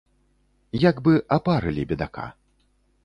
Як бы апарылі бедака.